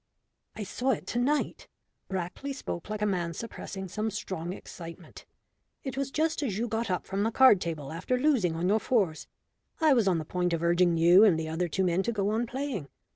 "I saw it to night." Brackley spoke like a man suppressing some strong excitement. "It was just as you got up from the card table after losing on your fours. I was on the point of urging you and the other two men to go on playing.